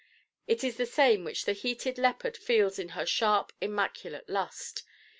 It is the same which the heated leopard feels in her sharp immaculate lust.